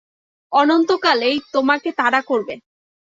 অনন্তকাল এটা তোমাকে তাড়া করবে।